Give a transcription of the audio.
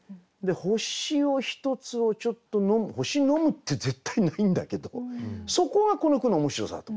星をひとつをちょっと飲む星飲むって絶対ないんだけどそこがこの句の面白さだと思います。